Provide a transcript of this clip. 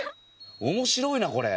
面白いなこれ。